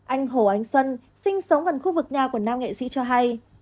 anh hồ ánh xuân sinh sống gần khu vực nhà của nam nghệ sĩ cho hay